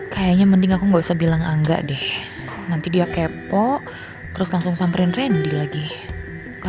kayak nge healthy aku enggak bisa bilang angka deh nanti dia kepo terus langsung sampai jumpa nanti dia konfisikan